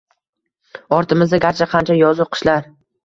Ortimizda garchi qancha yozu qishlar